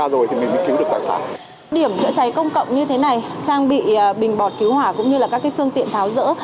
điểm chữa cháy công cộng như thế này trang bị bình bọt cứu hỏa cũng như là các phương tiện tháo rỡ